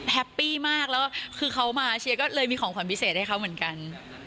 ปี้มากแล้วคือเขามาเชียร์ก็เลยมีของขวัญพิเศษให้เขาเหมือนกัน